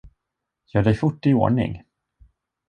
Gör dig fort i ordning.